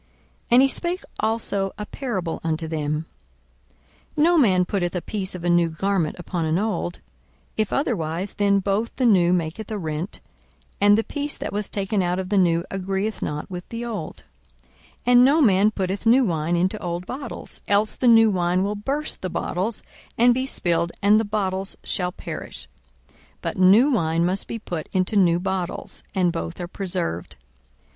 42:005:036 And he spake also a parable unto them; No man putteth a piece of a new garment upon an old; if otherwise, then both the new maketh a rent, and the piece that was taken out of the new agreeth not with the old. 42:005:037 And no man putteth new wine into old bottles; else the new wine will burst the bottles, and be spilled, and the bottles shall perish. 42:005:038 But new wine must be put into new bottles; and both are preserved.